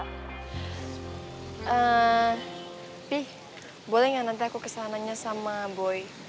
fi boleh enggak nanti aku kesananya sama boy